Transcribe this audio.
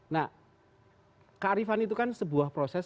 nah kearifan itu kan sebuah proses